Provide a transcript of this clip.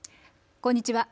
こんにちは。